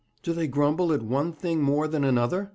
'Do they grumble at one thing more than another?'